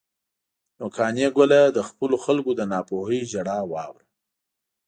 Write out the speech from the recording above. نو قانع ګله، د خپلو خلکو د ناپوهۍ ژړا واوره.